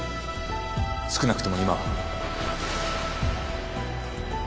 少なくとも今は